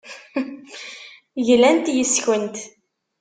Glant yes-kent.